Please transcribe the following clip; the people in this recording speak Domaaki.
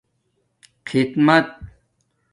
خدمت